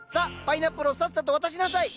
パイナップルをさっさと渡しなさい。